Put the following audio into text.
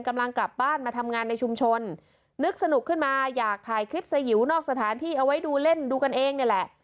กำลังกลับบ้านมาทำงานในชุมชนนึกสนุกขึ้นมาอยากถ่ายคลิปสยิวนอกสถานที่เอาไว้ดูเล่นดูกันเองนี่แหละ